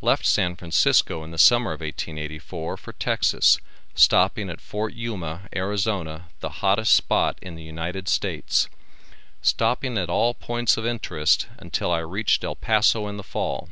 Left San Francisco in the summer of 1884 for Texas, stopping at Fort Yuma, Arizona, the hottest spot in the United States. Stopping at all points of interest until I reached El Paso in the fall.